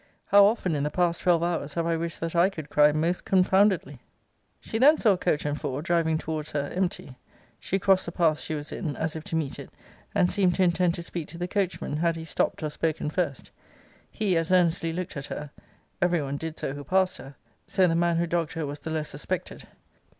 How often, in the past twelve hours, have I wished that I could cry most confoundedly? 'She then saw a coach and four driving towards her empty. She crossed the path she was in, as if to meet it, and seemed to intend to speak to the coachman, had he stopt or spoken first. He as earnestly looked at her. Every one did so who passed her, (so the man who dogged her was the less suspected.')